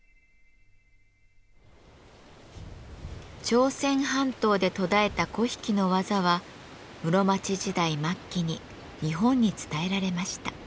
朝鮮半島で途絶えた粉引の技は室町時代末期に日本に伝えられました。